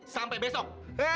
sampai kalian berdua berdua